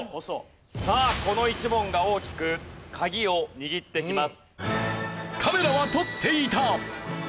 さあこの１問が大きく鍵を握ってきます。